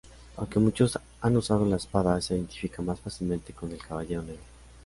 Aunque muchos han usado la espada, se identifica más fácilmente con el Caballero Negro.